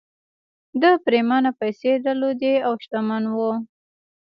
ده پرېمانه پيسې درلودې او شتمن و